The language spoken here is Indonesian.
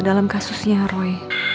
dalam kasusnya roy